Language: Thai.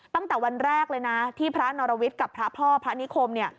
ตั้งแต่วันแรกเลยนะที่พระนรวิทย์กับพระพ่อพระนิคม